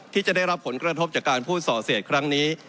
ที่จะได้รับผลกระทบจากการพูดส่อเศษครั้งนี้